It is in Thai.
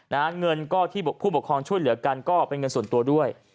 เงินก็ที่ผู้ปกครองช่วยเหลือกันก็เป็นเงินส่วนตัวด้วย